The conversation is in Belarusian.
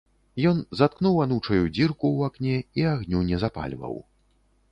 Ён заткнуў анучаю дзірку ў акне і агню не запальваў.